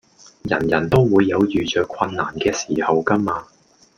人人都會有遇著困難嘅時候㗎嘛